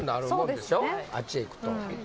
あっちへ行くと。